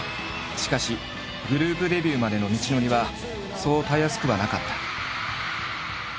しかしグループデビューまでの道のりはそうたやすくはなかった。